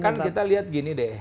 kan kita lihat gini deh